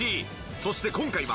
そして今回は。